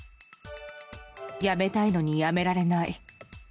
やめたいのにやめられない。